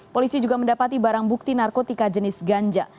polisi juga mendapati barang bukti narkotika jenis ganja